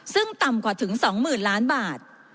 ซึ่งต่ำกว่าถึง๒๐๐๐ล้านบาท